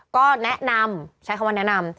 ก็แนะนำใช้คำว่าแนะนำ